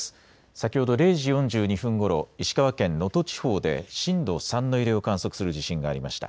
先ほど０時４２分ごろ石川県能登地方で震度３の揺れを観測する地震がありました。